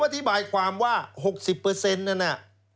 อธิบายความว่า๖๐นั่นน่ะ